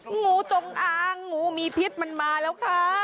งูจงอางงูมีพิษมันมาแล้วค่ะ